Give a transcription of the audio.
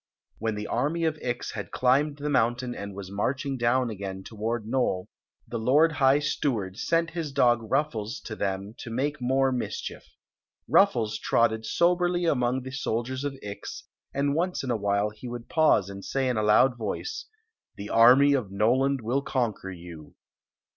When the army of Ix had climbed the mountain and was marching down again toward Nole, the lord high steward sent his dog Rufiles to them to make more mischief Ruffles trotted soberly among the soldiers of Ix, and once in a wliile he wcmld pause and say in a loud voice: "The army of Noland will conquer you."